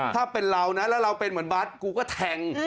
ถ้าเป็นเรานะแล้วเราเป็นเหมือนบัตรกูก็แทง